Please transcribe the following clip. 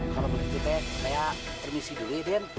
kalau begitu deh saya permisi dulu ya den